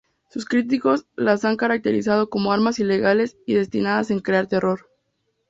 Sus críticos las han caracterizado como armas ilegales y destinadas a crear terror.